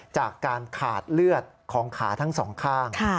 จากการขาดเลือดของขาทั้งสองข้าง